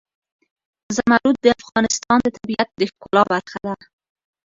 زمرد د افغانستان د طبیعت د ښکلا برخه ده.